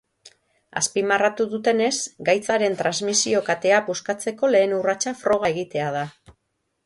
Azpimarratu dutenez, gaitzaren transmisio katea puskatzeko lehen urratsa froga egitea da.